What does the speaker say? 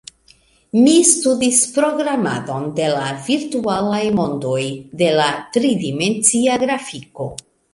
Mi studis programadon de la virtualaj mondoj, de la tridimencia grafiko